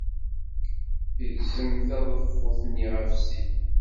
Yegzem taḍeffut-nni ɣef sin.